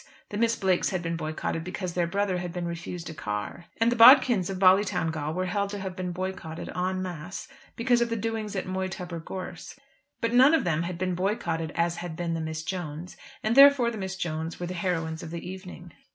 The Miss Blakes had been boycotted because their brother had been refused a car. And the Bodkins of Ballytowngal were held to have been boycotted en masse because of the doings at Moytubber gorse. But none of them had been boycotted as had been the Miss Jones'; and therefore the Miss Jones' were the heroines of the evening.